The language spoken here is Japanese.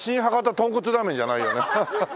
とんこつラーメンじゃないよね。